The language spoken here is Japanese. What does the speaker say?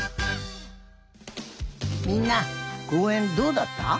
みんなこうえんどうだった？